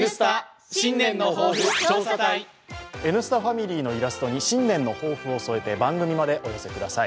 「Ｎスタ」ファミリーのイラストに新年の抱負を添えて番組までお寄せください。